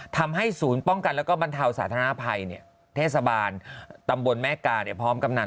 ทำให้ศูนย์ป้องกันแล้วก็บรรเทาสาธารณภัยเทศบาลตำบลแม่กาพร้อมกำนัน